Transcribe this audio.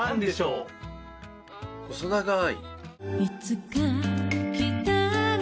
細長い。